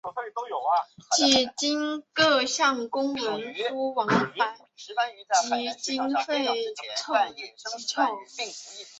几经各项公文书往返及经费筹凑。